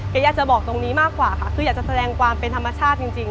อยากจะบอกตรงนี้มากกว่าค่ะคืออยากจะแสดงความเป็นธรรมชาติจริง